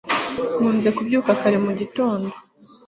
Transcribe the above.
nkunze kubyuka kare mu gitondo